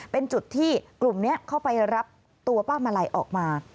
เป็นจุดที่กลุ่มนี้เข้าไปรับตัวป้ามาลัยออกมา